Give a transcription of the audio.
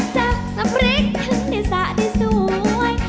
จับน้ำพริกถึงที่สระที่สวย